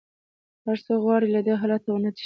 هر څوک غواړي له دې حالت نه وتښتي.